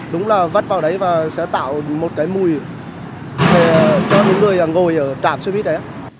đúng là vắt vào đấy và sẽ tạo một cái mùi cho những người ngồi ở trạm xe buýt đấy